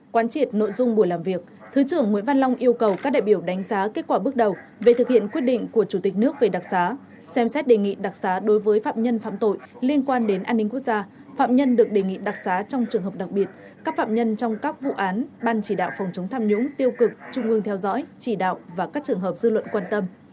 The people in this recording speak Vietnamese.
quán triệt nội dung buổi làm việc thứ trưởng nguyễn văn long yêu cầu các đại biểu đánh giá kết quả bước đầu về thực hiện quyết định của chủ tịch nước về đặc giá xem xét đề nghị đặc giá đối với phạm nhân phạm tội liên quan đến an ninh quốc gia phạm nhân được đề nghị đặc giá trong trường hợp đặc biệt các phạm nhân trong các vụ án ban chỉ đạo phòng chống tham nhũng tiêu cực trung ương theo dõi chỉ đạo và các trường hợp dư luận quan tâm